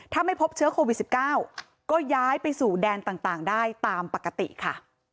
ถ้าไม่พบเชื้อโควิด๑๙ก็ย้ายไปสู่แดนต่างได้ตามปกติค่ะ